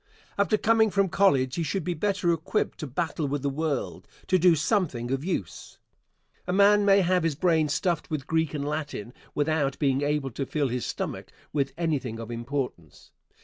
After coming from college he should be better equipped to battle with the world to do something of use. A man may have his brain stuffed with Greek and Latin without being able to fill his stomach with anything of importance.